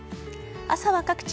朝は各地